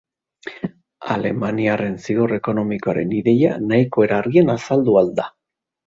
Alemaniaren zigor ekonomikoaren ideia nahiko era argian azaldu ahal da.